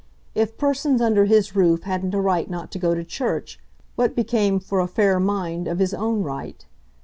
If persons under his roof hadn't a right not to go to church, what became, for a fair mind, of his own right?